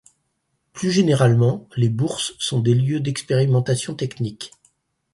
Plus généralement, les Bourses sont des lieux d’expérimentation technique.